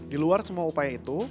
di luar semua upaya itu